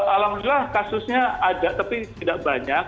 alhamdulillah kasusnya ada tapi tidak banyak